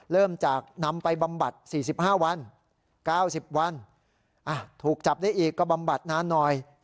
เริ่มจากนำไปบำบัด๔๕วัน๙๐วันถูกจับได้อีกก็บำบัดนานหน่อย